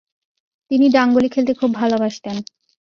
তিনি ডাংগুলি খেলতে খুব ভালোবাসতেন।